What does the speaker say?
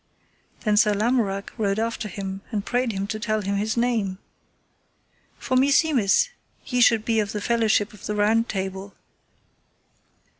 Then Sir Lamorak rode after him, and prayed him to tell him his name: For meseemeth ye should be of the fellowship of the Round Table.